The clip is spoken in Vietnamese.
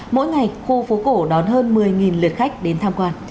mỗi ngày khu phố cổ đón hơn một mươi lượt khách đến tham quan